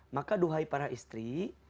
maka dohai para istri